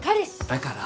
だから。